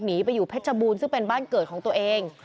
หนีไปอยู่เพชรบูรณ์ซึ่งเป็นบ้านเกิดของตัวเอง